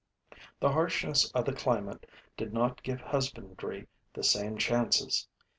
The harshness of the climate did not give husbandry the same chances.